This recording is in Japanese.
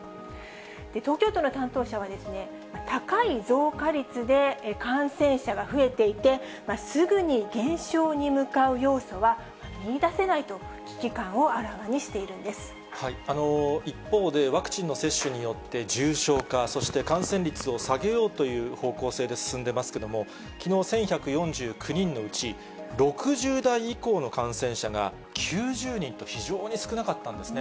東京都の担当者は、高い増加率で感染者が増えていて、すぐに減少に向かう要素は見いだせないと危機感をあらわにしてい一方で、ワクチンの接種によって重症化、そして感染率を下げようという方向性で進んでますけれども、きのう１１４９人のうち、６０代以降の感染者が９０人と、非常に少なかったんですね。